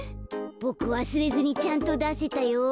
ボクわすれずにちゃんとだせたよ。